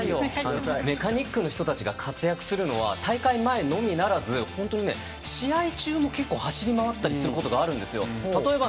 メカニックの人が活躍するのは大会前のみならず、本当に試合中も走り回ったりすることがあるんです。